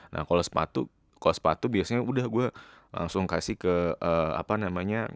nah kalo sepatu biasanya udah gue langsung kasih ke apa namanya